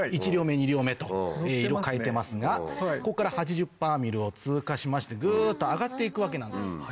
１両目２両目と色変えてますがここから８０‰を通過しましてグっと上がって行くわけなんです。